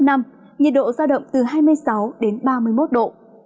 nhiệt độ giao động từ hai mươi sáu đến ba mươi một độ